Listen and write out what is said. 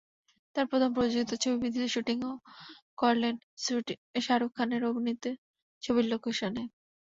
তাঁর প্রথম প্রযোজিত ছবি বিজলীর শুটিংও করলেন শাহরুখ খানের অভিনীত ছবির লোকেশনে।